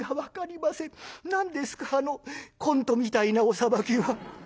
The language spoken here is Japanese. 何ですかあのコントみたいなお裁きは。